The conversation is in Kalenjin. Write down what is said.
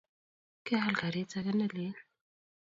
Keal karit ake ne lel.